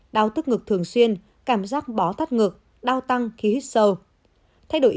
đau tức ngực thường xuyên cảm giác bó tắt ngực đau tăng khi hít sâu